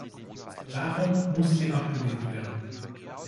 Darum muss sie abgelehnt werden!